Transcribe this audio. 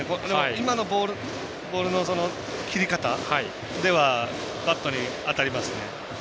今のボールの切り方ではバットに当たりますね。